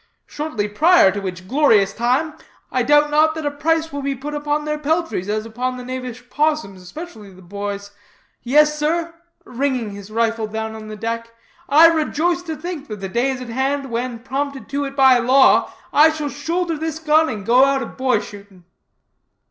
Shortly prior to which glorious time, I doubt not that a price will be put upon their peltries as upon the knavish 'possums,' especially the boys. Yes, sir (ringing his rifle down on the deck), I rejoice to think that the day is at hand, when, prompted to it by law, I shall shoulder this gun and go out a boy shooting."